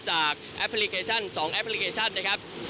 จากแอปพลิเคชันส่องแอปพลิเคชันหน้าครับ